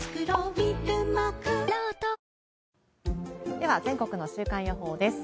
では、全国の週間予報です。